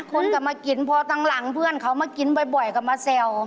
คนก็มากินพอตั้งหลังเพื่อนเขามากินบ่อยก็มาแซว